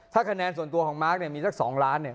ถ้าคะแนนส่วนตัวของมาร์คเนี่ยมีสัก๒ล้านเนี่ย